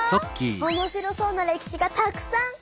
おもしろそうな歴史がたくさん！